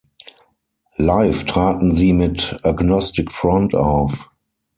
Live traten sie mit Agnostic Front auf.